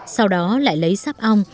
sau đó lại lấy sắp ong